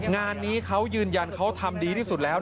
งานนี้เขายืนยันเขาทำดีที่สุดแล้ว